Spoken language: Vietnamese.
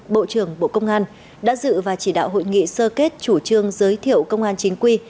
bộ trưởng bộ công an đã dự và chỉ đạo hội nghị sơ kết chủ trương giới thiệu công an chính quy